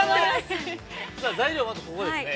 ◆材料は、まずここですね。